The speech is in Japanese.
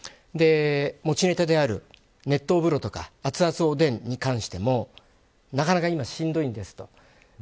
持ちネタである熱湯風呂とか熱々おでんに関してもなかなか今、しんどいんですと。